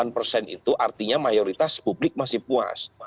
delapan persen itu artinya mayoritas publik masih puas